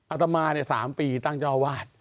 อัตมาเนี่ย๓ปีตั้งเจ้าอาวาส